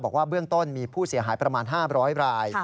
บอกว่าเบื้องต้นมีผู้เสียหายประมาณ๕๐๐ราย